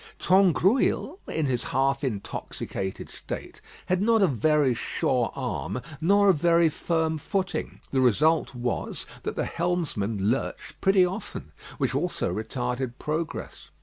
Tangrouille, in his half intoxicated state, had not a very sure arm, nor a very firm footing. The result was, that the helmsman lurched pretty often, which also retarded progress.